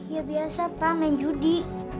ya biasa pak main judi